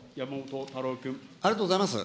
ありがとうございます。